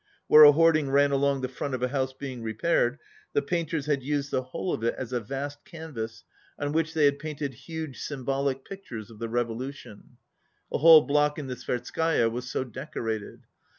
Where a hoarding ran along the front of a house being repaired the painters had used the whole of it as a vast canvas on which they had 33 painted huge symbolic pictures of the revolution. A whole block in the Tverskaya was so decorated.